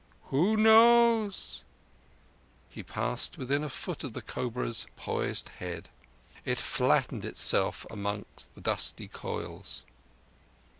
"Who knows?" He passed within a foot of the cobra's poised head. It flattened itself among the dusty coils.